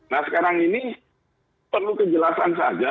nah sekarang ini perlu kejelasan saja